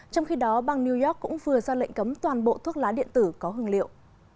trong khi đó bang new york cũng vừa ra lệnh cấm toàn bộ thuốc lá điện tử có hương liệu